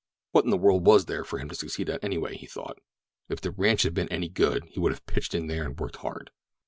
What in the world was there for him to succeed at, anyway? he thought. If the ranch had been any good he would have pitched in there and worked hard.